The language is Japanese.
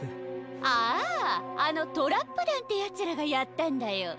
あああのトラップだんってヤツらがやったんだよ。